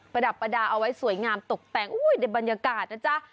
ระดับประดาษเอาไว้สวยงามตกแต่งในบรรยากาศนะจ๊ะ